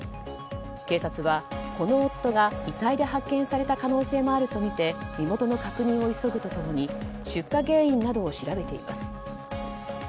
警察はこの夫が遺体で発見された可能性もあるとみて身元の確認を急ぐと共に出火原因などを調べています。